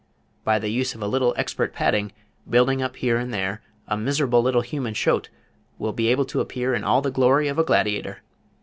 By the use of a little expert padding, building up here and there, a miserable little human shoat will be able to appear in all the glory of a gladiator.